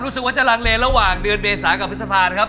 รู้สึกว่าจะลังเลระหว่างเดือนเมษากับพฤษภานะครับ